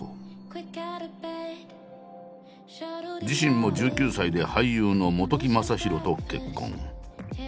自身も１９歳で俳優の本木雅弘と結婚。